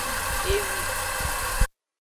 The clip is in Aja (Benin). Ewi.